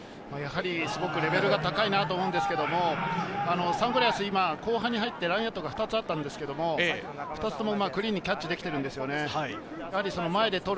すごくレベルが高いなと思うんですけど、サンゴリアス、今、後半に入ってラインアウトが２つあったんですけど、２つともクリーンにキャッチできているんですよね。